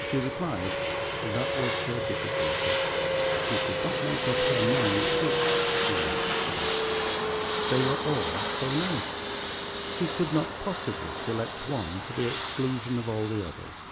She replied, that was her difficulty. She could not make up her mind which she liked the best. They were all so nice. She could not possibly select one to the exclusion of all the others.